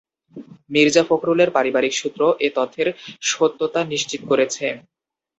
মির্জা ফখরুলের পারিবারিক সূত্র এ তথ্যের সত্যতা নিশ্চিত করেছে।